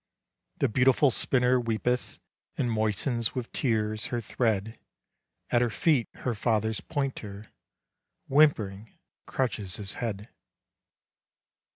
The beautiful spinner weepeth, And moistens with tears her thread. At her feet her father's pointer, Whimpering, crouches his head.